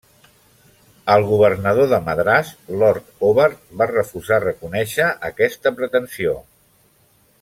El governador de Madràs, Lord Hobart, va refusar reconèixer aquesta pretensió.